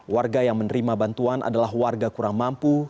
warga yang menerima bantuan adalah warga kurang mampu